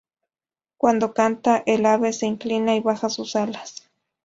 Cuando canta, el ave se inclina y baja sus alas.